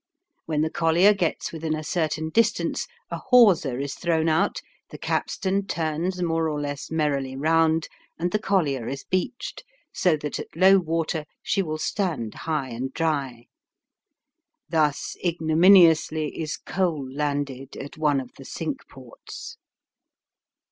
When the collier gets within a certain distance a hawser is thrown out, the capstan turns more or less merrily round, and the collier is beached, so that at low water she will stand high and dry. Thus ignominiously is coal landed at one of the Cinque Ports.